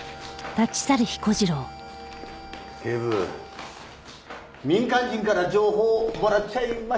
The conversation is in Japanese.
警部民間人から情報をもらっちゃいましたね。